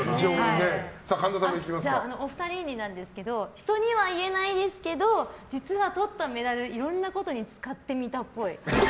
お二人になんですけど人には言えないですけど実は取ったメダルいろんなことに使ってみたっぽい。